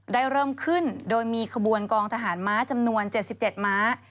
เริ่มขึ้นโดยมีขบวนกองทหารม้าจำนวน๗๗ม้า